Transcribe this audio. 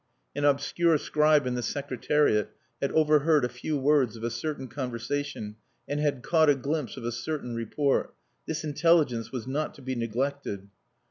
An obscure scribe in the Secretariat had overheard a few words of a certain conversation, and had caught a glimpse of a certain report. This intelligence was not to be neglected.